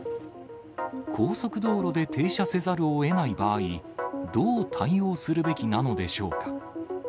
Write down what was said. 高速道路で停車せざるをえない場合、どう対応するべきなのでしょうか。